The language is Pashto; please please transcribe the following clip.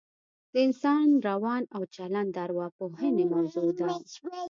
د انسان روان او چلن د اوراپوهنې موضوع ده